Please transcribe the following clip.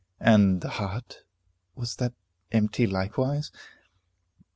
And the heart, was that empty likewise?